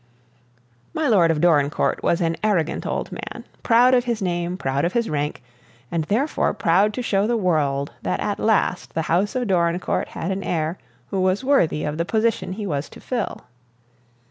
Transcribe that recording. My lord of Dorincourt was an arrogant old man, proud of his name, proud of his rank, and therefore proud to show the world that at last the House of Dorincourt had an heir who was worthy of the position he was to fill.